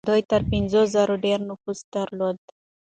دوی تر پنځو زرو ډېر نفوس درلود.